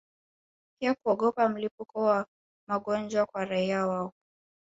pia kuogopa mlipuko wa magonjwa kwa raia wao